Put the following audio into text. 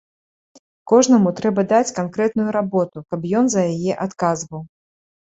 Кожнаму трэба даць канкрэтную работу, каб ён за яе адказваў.